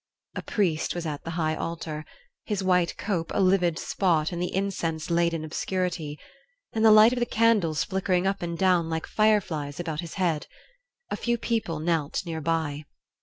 A priest was at the high altar, his white cope a livid spot in the incense laden obscurity, the light of the candles flickering up and down like fireflies about his head; a few people knelt near by.